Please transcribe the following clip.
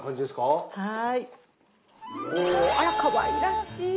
あらかわいらしい！